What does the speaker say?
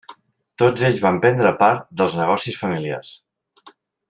Tots ells van prendre part d'en els negocis familiars.